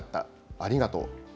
ありがとう。